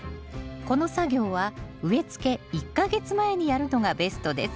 この作業は植えつけ１か月前にやるのがベストです。